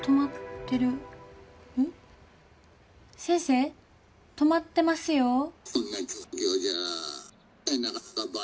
先生止まってますよ。